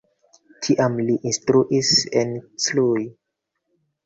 Tiam li instruis en Cluj.